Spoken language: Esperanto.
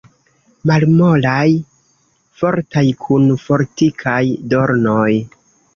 Malmolaj, fortaj, kun fortikaj dornoj.